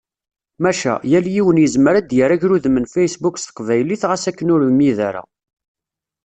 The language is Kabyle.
Maca, yal yiwen yezmer ad d-yerr agrudem n Facebook s teqbaylit ɣas akken ur imid ara.